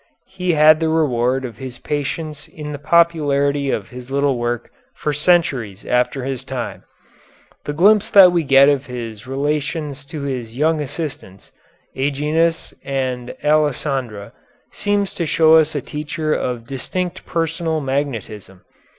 He had the reward of his patience in the popularity of his little work for centuries after his time. The glimpse that we get of his relations to his young assistants, Agenius and Alessandra, seems to show us a teacher of distinct personal magnetism.